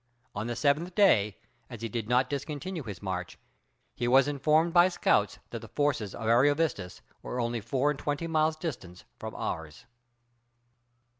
On the seventh day, as he did not discontinue his march, he was informed by scouts that the forces of Ariovistus were only four and twenty miles distant from ours.